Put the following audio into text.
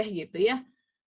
dia bisa berkoteh